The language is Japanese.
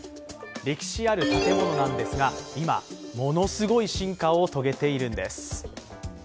歴史ある建物なんですが今、ものすごい進化を遂げているんです。